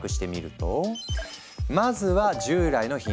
まずは従来の品種改良。